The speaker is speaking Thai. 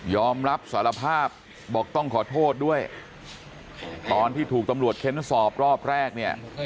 อมรับสารภาพบอกต้องขอโทษด้วยตอนที่ถูกตำรวจเค้นสอบรอบแรกเนี่ย